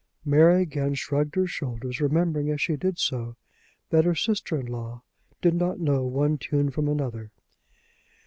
Mary again shrugged her shoulders, remembering, as she did so, that her sister in law did not know one tune from another.